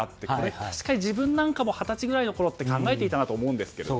確かに自分なんかも二十歳ぐらいのころ考えていたなと思いますが。